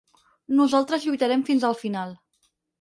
Nosaltres lluitarem fins al final.